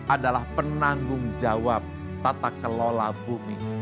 adalah penanggung jawab tata kelola bumi